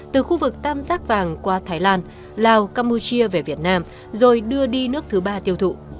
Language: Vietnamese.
từ khu vực tam giác vàng qua thái lan lào campuchia về việt nam rồi đưa đi nước thứ ba tiêu thụ